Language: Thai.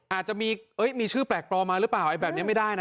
อาจจะมีชื่อแปลกปลอมมาหรือเปล่าแบบนี้ไม่ได้นะ